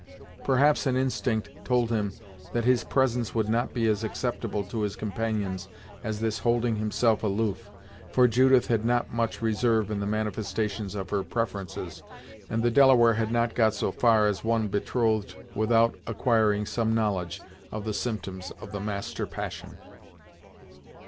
Perhaps an instinct told him that his presence would not be as acceptable to his companions as this holding himself aloof, for Judith had not much reserve in the manifestations of her preferences, and the Delaware had not got so far as one betrothed without acquiring some knowledge of the symptoms of the master passion.